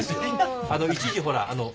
一時ほら。